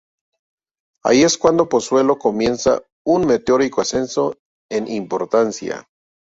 Ahí es cuando Pozuelo comienza un meteórico ascenso en importancia.